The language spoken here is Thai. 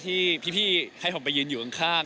ที่พี่ให้ผมไปยืนอยู่ข้าง